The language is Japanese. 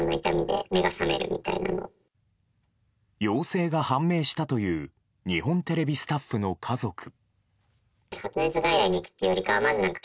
陽性が判明したという日本テレビスタッフの家族。